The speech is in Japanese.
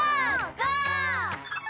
ゴー！